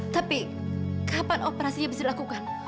tapi kapan operasinya bisa dilakukan